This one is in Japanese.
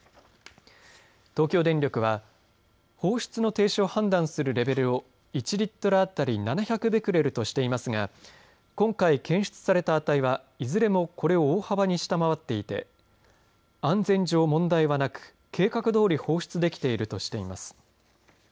東京電力は放出の停止を判断するレベルを１リットル当たり７００ベクレルとしていますが今回、検出された値はいずれもこれを大幅に下回っていて安全上問題はなく計画どおり放出できているとしています。